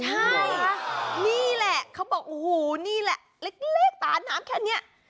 ใช่ค่ะนี่แหละเขาบอกโอ้โหนี่แหละเล็กตาน้ำแค่นี้